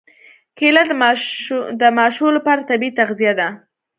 کېله د ماشو لپاره طبیعي تغذیه ده.